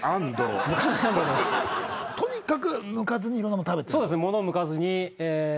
とにかくむかずにいろんな物食べてると。